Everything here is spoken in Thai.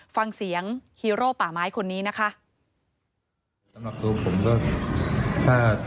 ฟังเสียงฮีโร่ป่าไม้คนนี้นะคะ